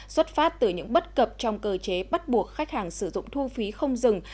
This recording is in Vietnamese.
xuất phát từ những bất cập trong cơ chế bắt buộc khách hàng sử dụng thu phí không dừng